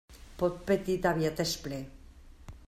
Pot petit aviat és ple.